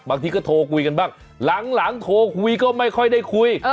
บางทีก็โทรคุยกันบ้างหลังโทรคุยก็ไม่ค่อยได้คุย